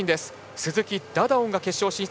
鈴木、ダダオンが決勝進出。